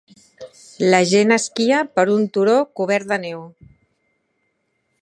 La gent esquia per un turó cobert de neu.